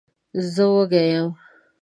زه وږی یم.